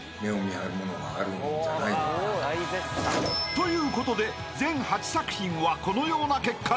［ということで全８作品はこのような結果に］